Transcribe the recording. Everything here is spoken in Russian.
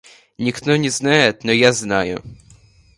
Никто не знает, но я знаю.